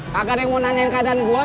kakak ada yang mau nanyain keadaan gue kak